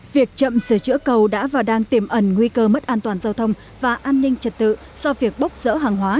việc chậm sửa chữa cầu đã và đang tiềm ẩn nguy cơ mất an toàn giao thông và an ninh trật tự do việc bốc rỡ hàng hóa